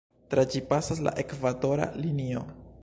Tra ĝi pasas la Ekvatora Linio.